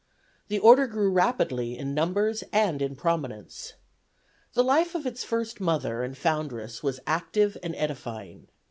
The Order grew rapidly in numbers and in prominence. The life of its first Mother and foundress was active and edifying.